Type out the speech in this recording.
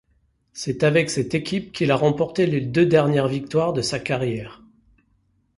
C'est avec cette équipe qu'il a remporté les deux dernières victoires de sa carrière.